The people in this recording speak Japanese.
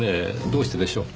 どうしてでしょう？